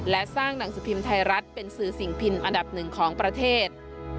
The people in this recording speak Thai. และสร้างหนังสือพิมพ์ไทยรัฐเป็นสื่อสิ่งพิมพ์อันดับหนึ่งของประเทศ